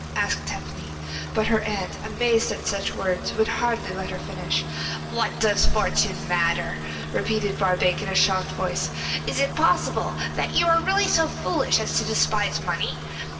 asked Tephany, but her aunt, amazed at such words, would hardly let her finish. 'What does fortune matter?' repeated Barbaik, in a shocked voice. 'Is it possible that you are really so foolish as to despise money?